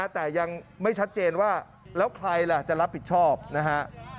แต่ยังไม่ชัดเจนว่าแล้วใครล่ะจะรับผิดชอบนะฮะ